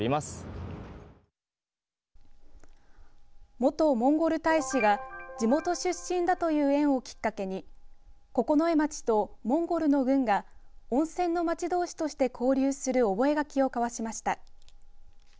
元モンゴル大使が地元出身だという縁をきっかけに九重町とモンゴルの郡が温泉の町どうしとして交流する覚書を交わしました。